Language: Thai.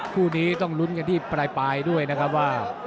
คู่นี้ต้องลุ้นกันที่ปลายด้วยนะครับว่า